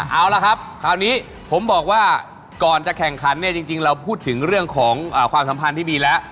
เอาละครับคราวนี้ผมบอกว่าก่อนจะแข่งขันเนี่ยจริงเราพูดถึงเรื่องของความสัมพันธ์ที่มีแล้ว